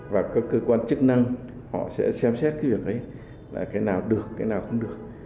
và các cơ quan chức năng họ sẽ xem xét cái việc đấy là cái nào được cái nào không được